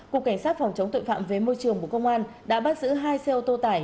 cục cảnh sát phòng chống tội phạm về môi trường bộ công an đã bắt giữ hai xe ô tô tải